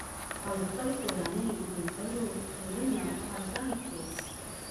او له خپلې کورنۍ، ملګرو، ټولنې او کار ځای کې